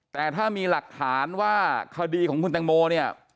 แต่ถ้ามีหลักฐานว่าคดีของคุณตังโมเนี่ย